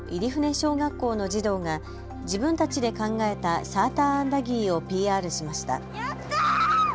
小学校の児童が自分たちで考えたサーターアンダギーをＰＲしました。